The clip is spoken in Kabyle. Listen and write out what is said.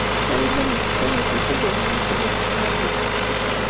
Farida n Ukeffadu tufa-d ayen ay tella tettnadi.